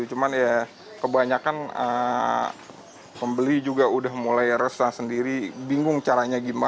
cuman ya kebanyakan pembeli juga udah mulai resah sendiri bingung caranya gimana